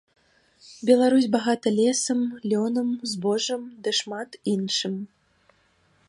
Беларусь багата лесам, лёнам, збожжам ды шмат іншым.